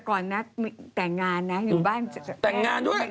ก่อนนัดแต่งงานนะอยู่บ้านแต่งงานด้วย